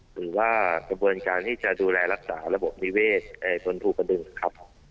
หรือว่ากระบวนการที่จะดูแลรักษาระบบนิเวศบนภูกระดึงครับ